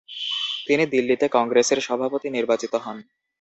তিনি দিল্লিতে কংগ্রেসের সভাপতি নির্বাচিত হন।